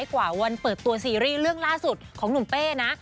กว่าวันเปิดตัวซีรีส์เรื่องล่าสุดของหนุ่มเป้นะ